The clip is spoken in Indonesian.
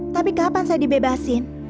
tapi kapan saya dibebasin